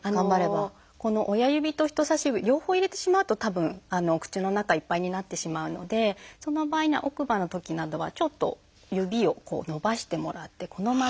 親指と人さし指両方入れてしまうとたぶんお口の中いっぱいになってしまうのでその場合には奥歯のときなどはちょっと指を伸ばしてもらってこのまま。